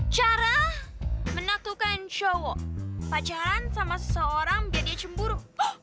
cara menentukan cowok pacaran sama seseorang biar dia cemburu